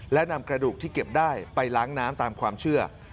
และนำกระดูกที่เก็บได้ไปล้างน้ำตามความเชื่อ